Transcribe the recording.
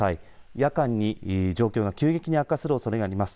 夜間に状況が急激に悪化するおそれがあります。